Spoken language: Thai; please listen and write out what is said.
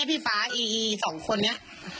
พี่ฟ้าอีอีสองคนนี้